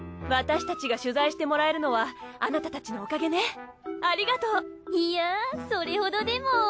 私たちが取材してもらえるのはあなたたちのおかげねありがとう。いやそれほどでも。